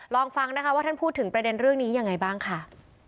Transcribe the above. ลองฟังนะคะว่าท่านพูดถึงประเด็นเรื่องนี้ยังไงบ้างค่ะ